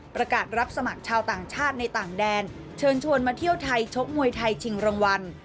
ประกาศรับสมัครชาวต่างชาติในต่างแดนเชิญชวนมาเที่ยวไทยชกมวยไทยชิงรางวัล